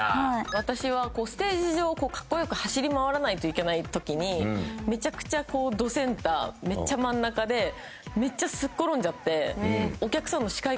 私はステージ上を格好良く走り回らないといけない時にめちゃくちゃどセンターめっちゃ真ん中でめっちゃすっ転んじゃって。